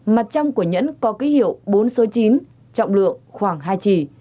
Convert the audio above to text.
mặt trong của nhẫn có ký hiệu bốn số chín trọng lượng khoảng hai chỉ